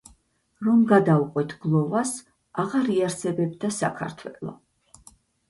რომ გადავყვეთ გლოვას, აღარ იარსებებდა ქართველობა.